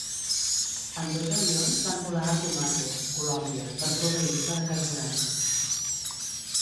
Ambdós avions van volar a Tumaco, Colòmbia, per proveir-se de carburant.